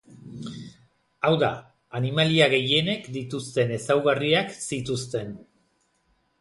Hau da, animalia gehienek dituzten ezaugarriak zituzten.